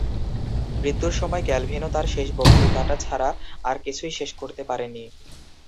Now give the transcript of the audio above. মৃত্যুর সময় ক্যালভিনো তার শেষ বক্তৃতাটা ছাড়া আর কিছুই শেষ করতে পারেনি।